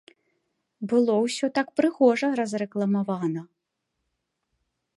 Было ўсё так прыгожа разрэкламавана.